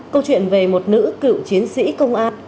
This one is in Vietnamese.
câu chuyện về một nữ cựu chiến sĩ công an